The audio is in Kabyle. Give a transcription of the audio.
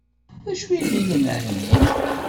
D acu i ɣilen εni?